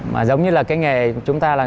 mà giống như là cái nghề chúng ta là